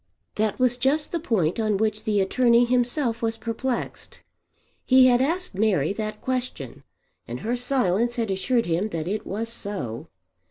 That was just the point on which the attorney himself was perplexed. He had asked Mary that question, and her silence had assured him that it was so.